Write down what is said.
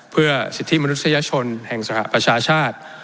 เพื่อสิทธิมนุษยชนแห่งสหประชาชาติ